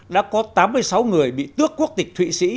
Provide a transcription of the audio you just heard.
đã có tám mươi sáu người bị tước quốc tịch thụy sĩ